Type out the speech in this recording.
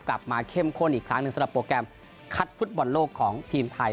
เข้มข้นอีกครั้งหนึ่งสำหรับโปรแกรมคัดฟุตบอลโลกของทีมไทย